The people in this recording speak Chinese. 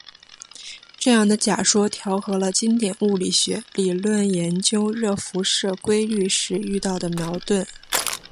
这样的假说调和了经典物理学理论研究热辐射规律时遇到的矛盾。